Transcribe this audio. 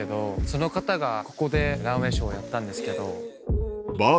その方がここでランウェイショーをやったんですけど。